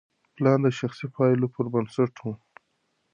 پلان د شخصي پایلو پر بنسټ و.